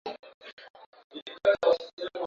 Masomo ni muhimu sana